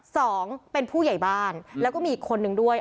สองเป็นผู้ใหญ่บ้านแล้วก็มีอีกคนนึงด้วย